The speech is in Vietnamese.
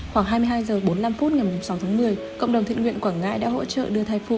khoảng hai mươi hai h bốn mươi năm phút ngày sáu tháng một mươi cộng đồng thiện nguyện quảng ngãi đã hỗ trợ đưa thai phụ